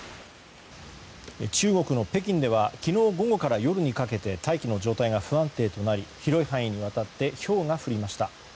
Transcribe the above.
中国の北京では昨日午後から午後にかけて大気の状態が不安定となり広い範囲にわたってひょうが降りました。